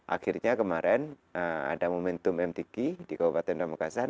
akhirnya kemarin ada momentum mtg di kabupaten pamekasan